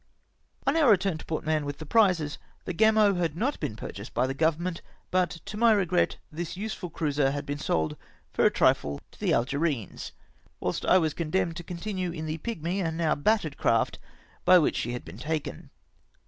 '''' On our retm^n to Port Mahon "vvith the prizes, the Gariio had not been pm chased by the Government ; but, to my regret, this useM cruiser had been sold for a trifle to the Algerines, whilst I was condemned to continue in the pigmy and now battered craft by which she had been taken.